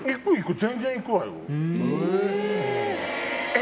全然行くわよ。え？